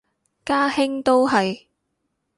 家兄都係